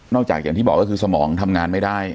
จากอย่างที่บอกก็คือสมองทำงานไม่ได้